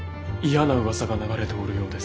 嫌なうわさが流れておるようです。